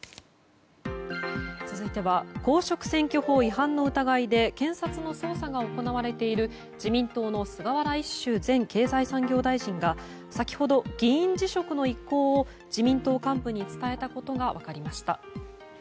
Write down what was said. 続いては公職選挙法違反の疑いで検察の捜査が行われている自民党の菅原一秀前経済産業大臣が先ほど、議員辞職の意向を自民党幹部に伝えたことが分かりました。